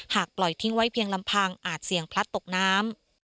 ปล่อยทิ้งไว้เพียงลำพังอาจเสี่ยงพลัดตกน้ำ